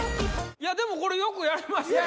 いやでもこれよくやれましたよ